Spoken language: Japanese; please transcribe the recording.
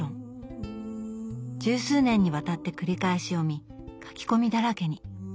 十数年にわたって繰り返し読み書き込みだらけに。